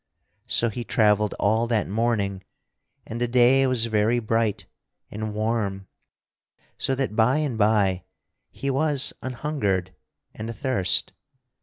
So he travelled all that morning, and the day was very bright and warm, so that by and by he was an hungered and athirst.